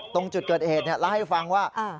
ตรงจุดเกิดเหตุเล่าให้ฟังว่า